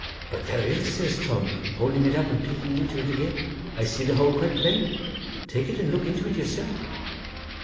'But there is,' says Tom, holding it up and peaking into it again; 'I see the hole quite plain. Take it and look into it yourself.